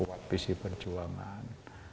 perkuat visi perjuangan